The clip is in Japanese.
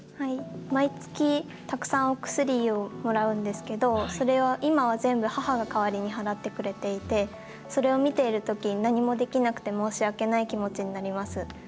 毎月、たくさんお薬をもらうんですけど、それを今は全部母が代わりに払ってくれていて、それを見ているときに、何もできなくて申し訳ない気持ちになります。